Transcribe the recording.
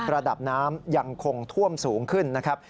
ระดับน้ำยังคงท่วมสูงขึ้นนะครับ